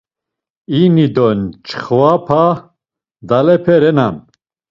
İni do mçxapa dalepe renan.